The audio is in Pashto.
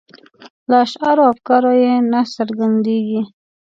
له اشعارو او افکارو یې نه څرګندیږي.